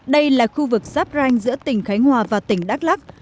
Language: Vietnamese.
đây là khu vực giáp ranh giữa tỉnh khánh hòa và tỉnh đắk lắc